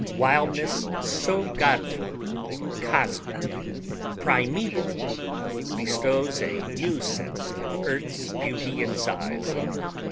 Wildness so godful, cosmic, primeval, bestows a new sense of earth's beauty and size.